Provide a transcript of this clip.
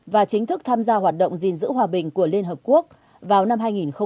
và chính thức tham gia hoạt động gìn giữ hòa bình của liên hợp quốc vào năm hai nghìn hai mươi